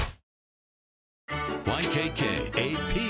ＹＫＫＡＰ